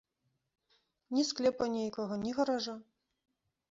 Ні склепа нейкага, ні гаража.